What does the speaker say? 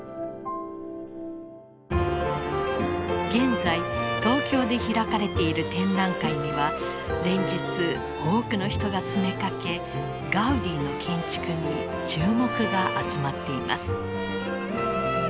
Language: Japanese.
現在東京で開かれている展覧会には連日多くの人が詰めかけガウディの建築に注目が集まっています。